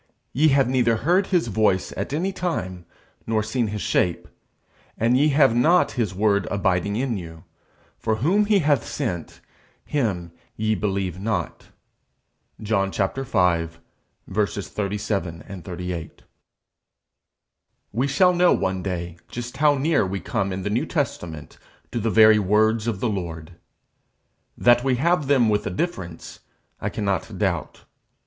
_Ye have neither heard his voice at any time, nor seen his shape. And ye have not his word abiding in you; for whom he hath sent, him ye believe not_. John v. 37, 38. We shall know one day just how near we come in the New Testament to the very words of the Lord. That we have them with a difference, I cannot doubt.